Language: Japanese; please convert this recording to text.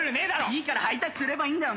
いいからハイタッチすればいいんだよ！